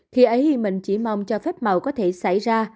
khi ấy mình chỉ mong cho phép màu có thể xảy ra